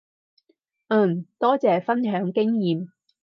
嗯，多謝分享經驗